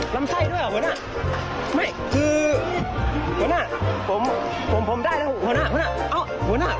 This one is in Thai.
แกร่งการชมข้างบน